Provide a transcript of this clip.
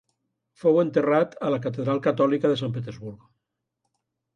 Fou enterrat a la catedral catòlica de Sant Petersburg.